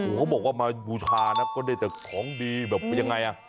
เขาบอกว่ามาบูชานะก็ได้แต่ของดีแบบยังไงอ่ะ